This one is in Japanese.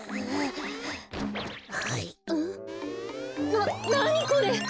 ななにこれ！？